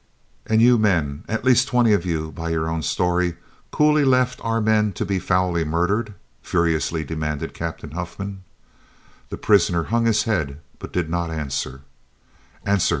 "And you men, at least twenty of you, by your own story, coolly left our men to be foully murdered?" furiously demanded Captain Huffman. The prisoner hung his head, but did not answer. "Answer!"